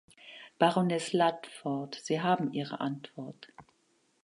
Baroness Ludford, Sie haben Ihre Antwort.